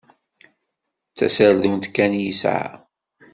D taserdunt kan i yesεa.